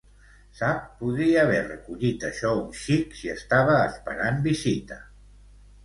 Sap, podria haver recollit això un xic si estava esperant visita.